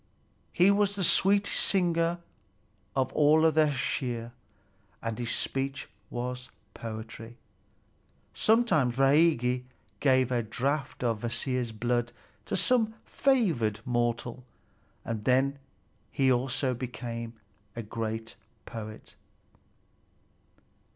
He was the sweetest singer of all the Æsir, and his speech was poetry. Sometimes Bragi gave a draught of Kvasir's blood to some favored mortal, and then he also became a great poet.